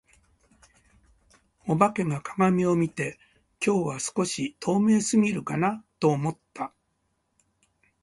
お化けが鏡を見て、「今日は少し透明過ぎるかな」と思った。